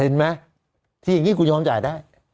เห็นไหมที่อย่างนี้คุณยอมจ่ายได้